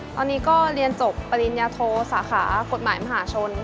ตอนนี้ก็เรียนจบปริญญาโทสาขากฎหมายมหาชน